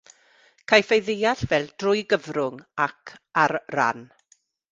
Caiff ei ddeall fel "drwy gyfrwng" ac "ar ran".